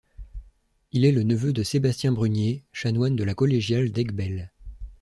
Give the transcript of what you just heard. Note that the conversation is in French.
Il est le neveu de Sébastien Brunier, chanoine de la collégiale d'Aiguebelle.